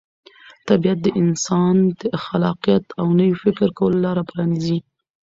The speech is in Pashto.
طبیعت د انسان د خلاقیت او نوي فکر کولو لاره پرانیزي.